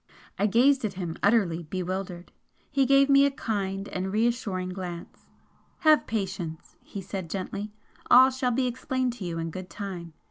I gazed at him, utterly bewildered. He gave me a kind and reassuring glance. "Have patience!" he said, gently "All shall be explained to you in good time!